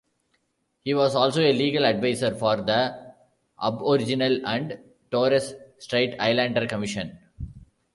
He was also a legal advisor for the Aboriginal and Torres Strait Islander Commission.